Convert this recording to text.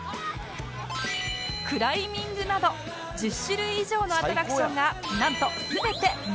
クライミングなど１０種類以上のアトラクションがなんと全て無料なんです